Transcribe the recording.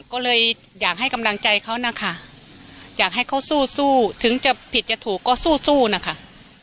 ก็เลยอยากให้กำลังใจเขานะคะอยากให้เขาสู้สู้ถึงจะผิดจะถูกก็สู้สู้นะคะ